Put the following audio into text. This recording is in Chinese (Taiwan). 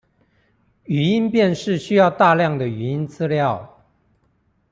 語音辨識需要大量的語音資料